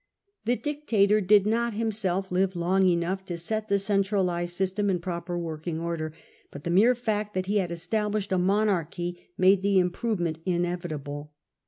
The dictator did not himself live long enough to set the centralised system in proper working, but the mere fact that he had established a monarchy made the improvement inevitable.